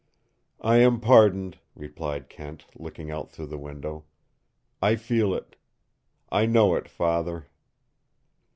"I am pardoned," replied Kent, looking out through the window. "I feel it. I know it, Father."